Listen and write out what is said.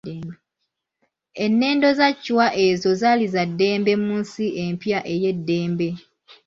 Ennendo za Chwa ezo zaali za ddembe mu nsi empya ey'eddembe.